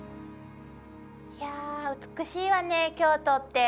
いや美しいわね京都って。